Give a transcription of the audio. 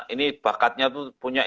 ini bakatnya itu punya